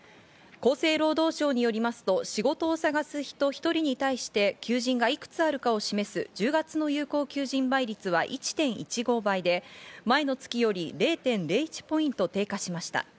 厚生労働省によりますと、仕事を探す人１人に対して求人が幾つあるかを示す１０月の有効求人倍率は１．１５倍で、前の月より０．０１ポイント低下しました。